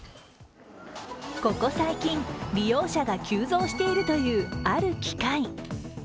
ここ最近、利用者が急増しているというある機械。